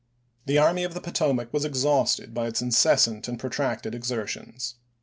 The Army of the Potomac was exhausted by its incessant and protracted exertions.